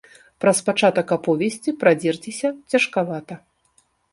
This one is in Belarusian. Праз пачатак аповесці прадзерціся цяжкавата.